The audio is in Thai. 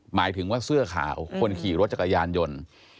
หมายถึงว่าเสื้อขาวคนขี่รถจักรยานยนต์